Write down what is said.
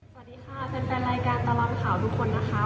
สวัสดีค่ะแฟนรายการตลอดข่าวทุกคนนะคะ